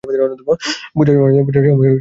পূজার সময় নিকটবর্তী হইয়াছে।